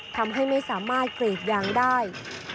ทำให้ไม่สามารถกรีดยางได้